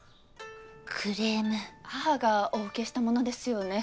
クレーム母がお受けしたものですよね？